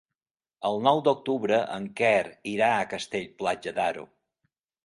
El nou d'octubre en Quer irà a Castell-Platja d'Aro.